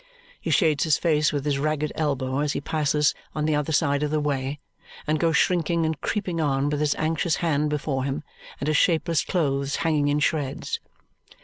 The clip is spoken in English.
He shades his face with his ragged elbow as he passes on the other side of the way, and goes shrinking and creeping on with his anxious hand before him and his shapeless clothes hanging in shreds.